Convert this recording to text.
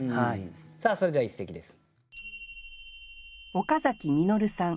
さあそれでは一席です。